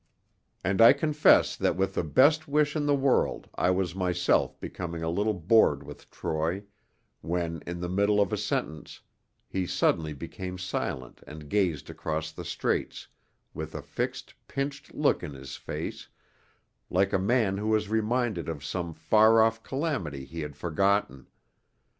And I confess that with the best wish in the world I was myself becoming a little bored with Troy, when in the middle of a sentence he suddenly became silent and gazed across the Straits with a fixed, pinched look in his face, like a man who is reminded of some far off calamity he had forgotten.